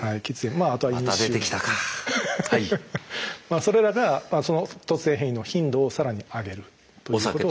それらがその突然変異の頻度を更に上げるということをいわれてます。